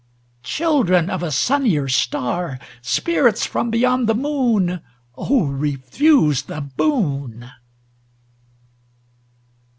Children of a sunnier star, Spirits from beyond the moon, Oh, refuse the boon